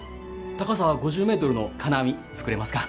高さ５０メートルの金網作れますか？